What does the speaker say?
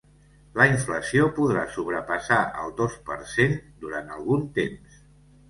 La inflació podrà sobrepassar el dos per cent durant algun temps.